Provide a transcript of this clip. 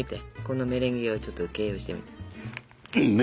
このメレンゲをちょっと形容してみて。